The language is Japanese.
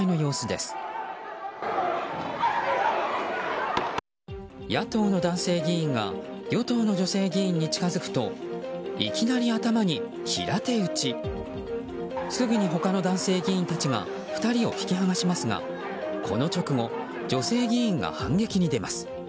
すぐに他の男性議員たちが２人を引き剥がしますがこの直後女性議員が反撃に出ます。